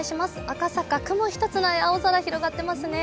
赤坂、雲一つない青空が広がってますね。